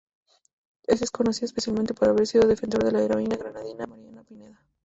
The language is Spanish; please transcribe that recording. Es conocido especialmente por haber sido defensor de la heroína granadina Mariana Pineda.